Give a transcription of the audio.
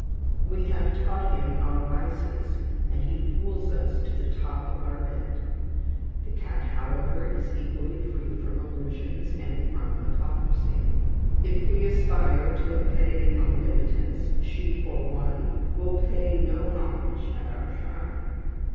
We have taught him our vices, and he fools us to the top of our bent. The cat, however, is equally free from illusions and from hypocrisy. If we aspire to a petty omnipotence, she, for one, will pay no homage at our shrine.